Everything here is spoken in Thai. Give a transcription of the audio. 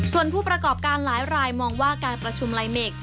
ส่วนผู้ประกอบการหลายรายมองว่าการประชุมลายเมค